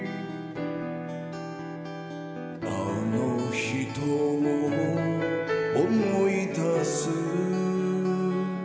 「あの人を思い出す」